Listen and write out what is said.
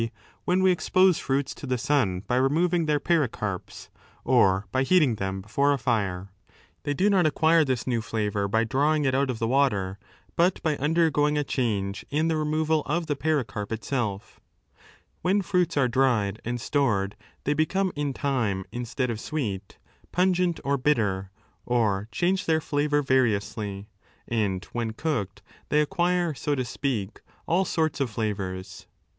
when we expose fruits to the sun by removing their pericarps or by heating them before a fire. They do not acquire this new flavour by drawing it out of the water, but by undergoing a change in the removal of the pericarp itself When fruits are dried and stored they become in time, instead of sweet, pungent or bitter, or change their flavour variously, and when cooked they acquire, so to speak, all sorts of flavours.